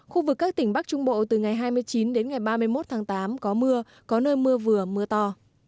khu vực các tỉnh bắc trung bộ từ ngày hai mươi chín đến ngày ba mươi một tháng tám có mưa có nơi mưa vừa mưa to